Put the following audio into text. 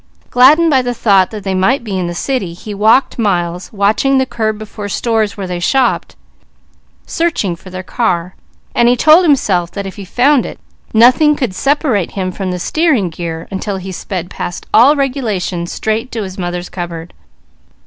Gladdened by the thought that they might be in the city, he walked miles, watching the curb before stores where they shopped, searching for their car, and he told himself that if he found it, nothing could separate him from the steering gear until he sped past all regulation straight to his mother's cupboard.